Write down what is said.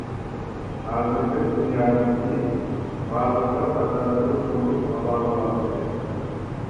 ھازىرقى دۇنيادىكى غالىپلار قاتارىدىن ئورۇن ئالالىغانلىقى.